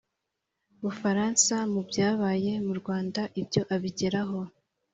bufaransa mu byabaye mu rwanda. ibyo abigeraho